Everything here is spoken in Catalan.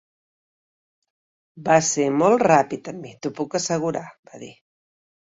"Va ser molt ràpid amb mi, t'ho puc assegurar!", va dir.